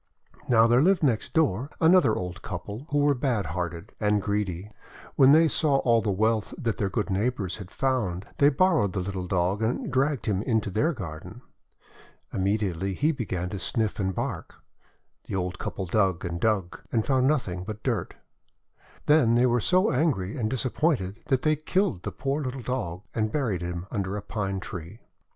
Now, there lived next door another old couple, who were bad hearted and greedy. When they saw all the wealth that their good neighbours had found, they borrowed the little Dog, and dragged him into their garden. Immediately he began to sniff and bark. The old couple dug and dug, and found nothing but dirt. Then they were so angry and disappointed that they killed the poor little Dog, and buried him under a Pine Tree.